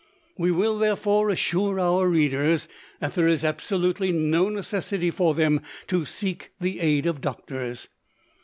We will, therefore, assure our readers that there is absolutely no necessity for them to seek the aid of doctors.